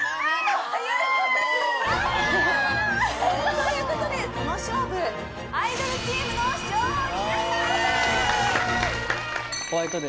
・ということでこの勝負アイドルチームの勝利！